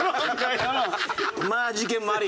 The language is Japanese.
まあ事件もあり。